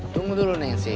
tunggu dulu nensi